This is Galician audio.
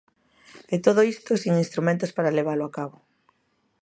E todo isto sen instrumentos para levalo a cabo.